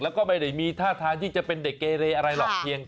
แล้วก็ไม่ได้มีท่าทางที่จะเป็นเด็กเกเรอะไรหรอกเพียง